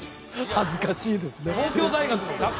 恥ずかしいですね